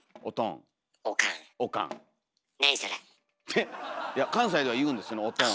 フッいや関西では言うんですよおとん。